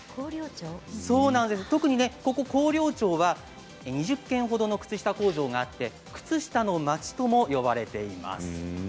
特にここ広陵町は２０軒ほどの靴下工場があって靴下の町とも呼ばれています。